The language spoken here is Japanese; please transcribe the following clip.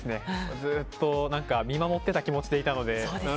ずっと見守ってた気持ちでいたので。